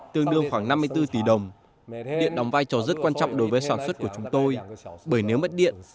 hai mươi bốn tỷ đồng điện đóng vai trò rất quan trọng đối với sản xuất của chúng tôi bởi nếu mất điện